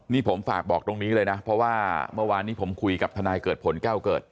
นี่ผมฝากบอกตรงนี้เลยนะเพราะว่าเมื่อวานนี้ผมคุยกับทนายเกิดผลแก้วเกิด